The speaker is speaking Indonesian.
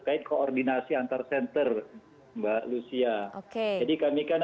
asal pokemon ini mereka ditentukan niemandik mentar agar tidak terrengekap menyebabkan keplepahan vasilis dan berbeda ke freezeientes